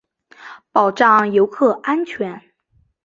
保障游客安全